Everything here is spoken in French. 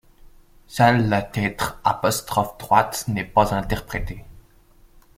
Seul le titre ' n'est pas interprété.